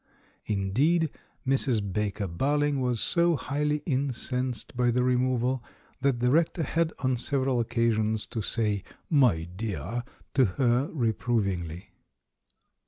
Indeed, Mrs. Baker Barling was so highly incensed by the removal, that the rector had on several occa sions to say "My dear!" to her reprovingly.